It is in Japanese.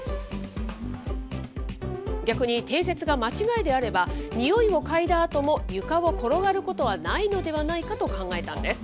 逆に定説が間違いであれば、匂いを嗅いだあとも床を転がることはないのではないかと考えたんです。